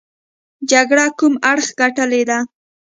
جګړه کوم اړخ ګټلې ده.